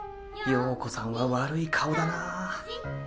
羊子さんは悪い顔だなぁ